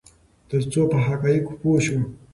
ترڅو په حقایقو پوه شو.